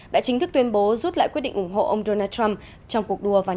đã chính thức tuyên bố rút lại quyết định ủng hộ ông donald trump trong cuộc đua vào nhà